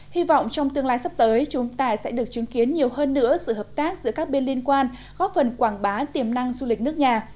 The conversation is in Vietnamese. hy vọng trong tương lai sắp tới chúng ta sẽ được chứng kiến nhiều hơn nữa sự hợp tác giữa các bên liên quan góp phần quảng bá tiềm năng du lịch nước nhà